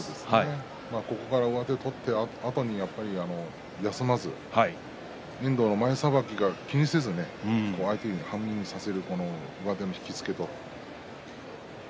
上手を取って、休まず遠藤の前さばき、気にせずに相手を半身にさせる上手の引き付け。